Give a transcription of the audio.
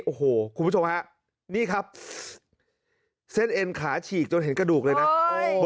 โอ้โหคุณผู้ชมฮะนี่ครับเส้นเอ็นขาฉีกจนเห็นกระดูกเลยนะ